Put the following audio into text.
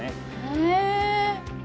へえ！